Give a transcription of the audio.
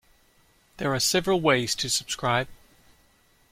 There are several ways to subscribe.